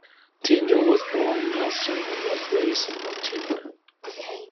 Tindill was born in Nelson and was raised in Motueka.